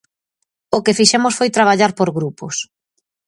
O que fixemos foi traballar por grupos.